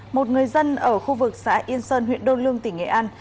một người dân ở khu vực xã yên sơn huyện đô lương tỉnh nghệ an